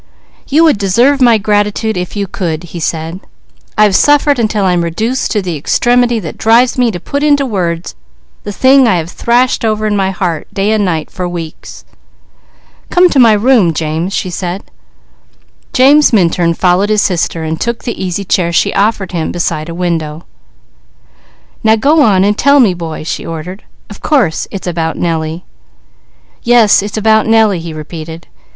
"You would deserve my gratitude if you could," he said. "I've suffered until I'm reduced to the extremity that drives me to put into words the thing I have thrashed over in my heart day and night for weeks." "Come to my room James," she said. James Minturn followed his sister. "Now go on and tell me, boy," she ordered. "Of course it's about Nellie." "Yes it's about Nellie," he repeated.